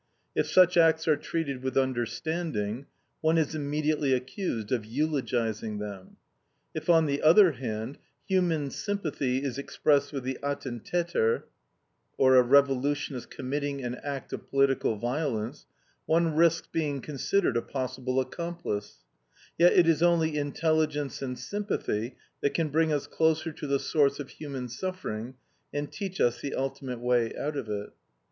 If such acts are treated with understanding, one is immediately accused of eulogizing them. If, on the other hand, human sympathy is expressed with the ATTENTATER, one risks being considered a possible accomplice. Yet it is only intelligence and sympathy that can bring us closer to the source of human suffering, and teach us the ultimate way out of it.